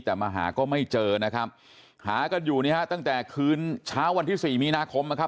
แต่มาหาก็ไม่เจอนะครับหากันอยู่นี่ฮะตั้งแต่คืนเช้าวันที่สี่มีนาคมนะครับ